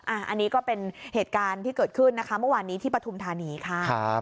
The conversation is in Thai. อันนี้ก็เป็นเหตุการณ์ที่เกิดขึ้นนะคะเมื่อวานนี้ที่ปฐุมธานีค่ะ